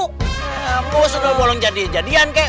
eh pos sundol bolong jadian jadian kek